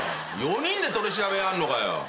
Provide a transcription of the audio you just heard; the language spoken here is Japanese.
４人で取り調べやんのかよ？